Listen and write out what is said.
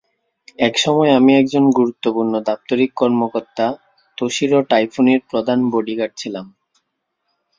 এক সময় আমি একজন গুরুত্বপূর্ণ দাপ্তরিক কর্মকর্তা তোশিরো টাইফুনির প্রধান বডিগার্ড ছিলাম।